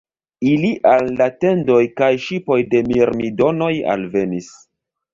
Ili al la tendoj kaj ŝipoj de Mirmidonoj alvenis.